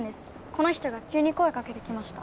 この人が急に声かけてきました。